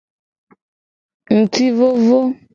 Ngti vovo.